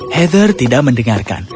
heather tidak mendengarkan